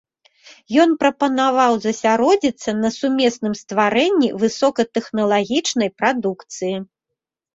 Ён прапанаваў засяродзіцца на сумесным стварэнні высокатэхналагічнай прадукцыі.